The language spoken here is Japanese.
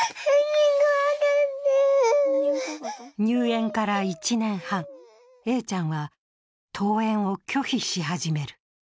入園から１年半、Ａちゃんは登園を拒否し始める。